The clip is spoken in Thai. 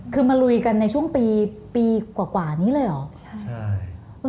คือมาลุยกันในช่วงปีปีกว่านี้เลยเหรอ